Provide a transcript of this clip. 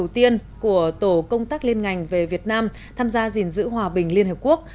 đầu tiên của tổ công tác liên ngành về việt nam tham gia gìn giữ hòa bình liên hợp quốc